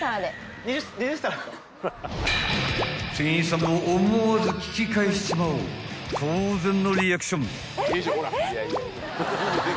［店員さんも思わず聞き返しちまう当然のリアクション］